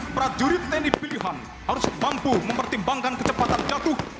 prajurit tni pilihan harus mampu mempertimbangkan kecepatan jatuh